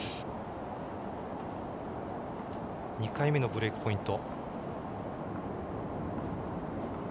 ２回目のブレークポイント。